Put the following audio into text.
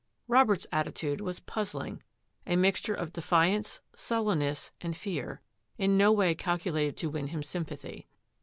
Robert's at titude was puzzling — a mixture of defiance, sul lenness, and fear — in no way calculated to win him sympathy.